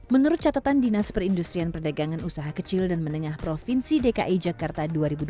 menurut catatan dinas perindustrian perdagangan usaha kecil dan menengah provinsi dki jakarta dua ribu dua puluh